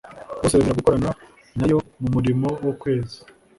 bose bemera gukorana na Yo mu murimo wo kweza